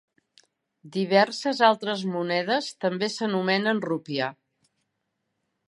Diverses altres monedes també s'anomenen rupia.